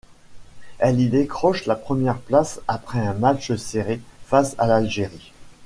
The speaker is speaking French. Elle y décroche la première place après un match serré face à l'Algérie.